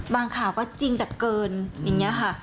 ข่าวก็จริงแต่เกินอย่างนี้ค่ะ